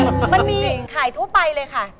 มันมีขายทั่วไปเลยค่ะ